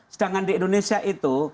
sedangkan di indonesia itu